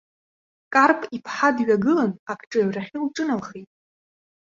Карп-иԥҳа дҩагылан агҿаҩрахьы лҿыналхеит.